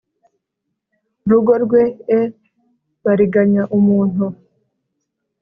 Rugo rwe e bariganya umuntu